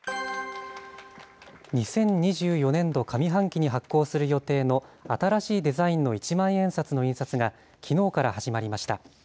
２０２４年度上半期に発行する予定の新しいデザインの一万円札の印刷が、きのうから始まりました。